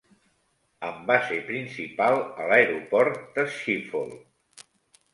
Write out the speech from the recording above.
Amb base principal a l'aeroport de Schiphol.